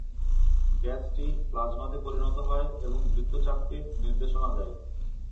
গ্যাসটি প্লাজমাতে পরিণত হয় এবং বৃত্তচাপকে নির্দেশনা দেয়।